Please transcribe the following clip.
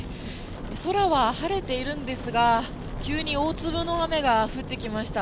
空は晴れているんですが、急に大粒の雨が降ってきました。